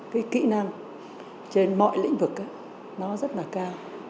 cái kỹ năng trên mọi lĩnh vực nó rất là cao